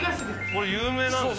これ有名なんですね。